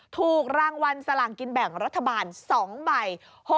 ถูกรางวัลสลากินแบ่งรัฐบาล๒ใบ